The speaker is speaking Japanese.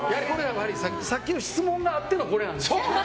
さっきの質問があってのこれなんです。